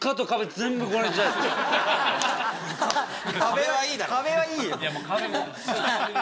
壁はいいよ。